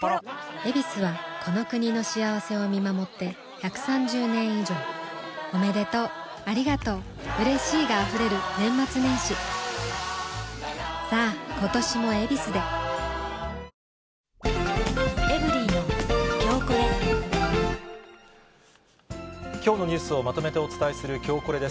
「ヱビス」はこの国の幸せを見守って１３０年以上おめでとうありがとううれしいが溢れる年末年始さあ今年も「ヱビス」できょうのニュースをまとめてお伝えする、きょうコレです。